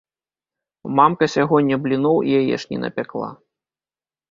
Мамка сягоння бліноў і яешні напякла.